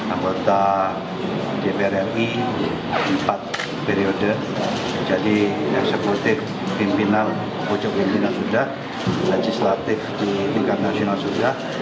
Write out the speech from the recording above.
anggota dpr ri empat periode jadi eksekutif pimpinan pojok pimpinan sudah legislatif di tingkat nasional sudah